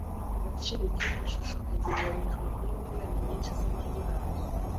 Agaciro k'iryo shusho kagereranijwe kuri miliyoni nyinshi z'amadolari.